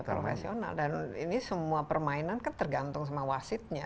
profesional dan ini semua permainan kan tergantung sama wasitnya